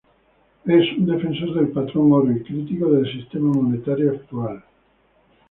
Es un defensor del patrón oro y crítico del sistema monetario actual.